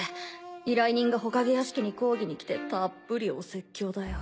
依頼人が火影屋敷に抗議に来てたっぷりお説教だよ。